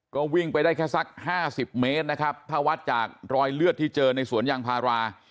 ก็วิ่งไปได้แค่สักห้าสิบเมตรนะครับถ้าวัดจากรอยเลือดที่เจอในสวนยางพารา